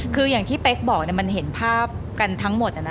คืออย่างที่เป๊กบอกมันเห็นภาพกันทั้งหมด